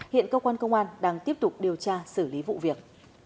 hiện cơ quan công an đang tiếp tục điều tra xử lý vụ việc